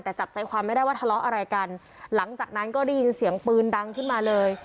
แต่จับใจความไม่ได้ว่าทะเลาะอะไรกันหลังจากนั้นก็ได้ยินเสียงปืนดังขึ้นมาเลย